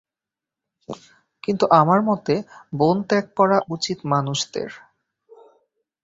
কিন্তু আমার মতে, বন ত্যাগ করা উচিত মানুষদের।